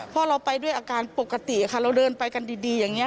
เพราะเราไปด้วยอาการปกติค่ะเราเดินไปกันดีอย่างนี้